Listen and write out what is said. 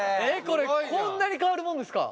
これこんなに変わるもんですか？